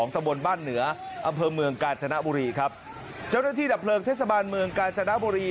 ตะบนบ้านเหนืออำเภอเมืองกาญจนบุรีครับเจ้าหน้าที่ดับเพลิงเทศบาลเมืองกาญจนบุรี